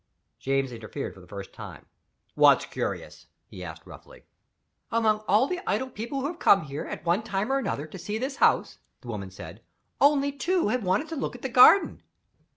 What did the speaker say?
James interfered for the first time. "What's curious?" he asked roughly. "Among all the idle people who have come here, at one time or another, to see this house," the woman said, "only two have wanted to look at the garden."